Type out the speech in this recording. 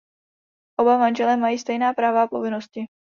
Oba manželé mají stejná práva a povinnosti.